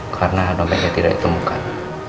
karena anomenya tidak ditemukan